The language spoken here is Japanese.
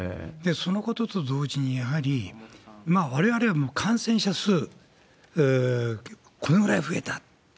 そのことと同時に、やはりわれわれはもう感染者数、このぐらい増えた。